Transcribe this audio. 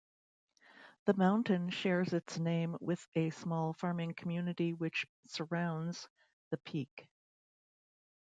The mountain shares its name with a small farming community which surrounds the peak.